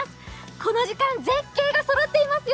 この時間、絶景がそろっていますよ